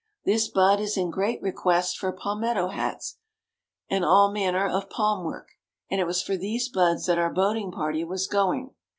This bud is in great request for palmetto hats; and all manner of palm work; and it was for these buds that our boating party was going.